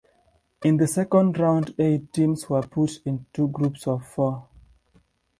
In the second round eight teams were put into two groups of four.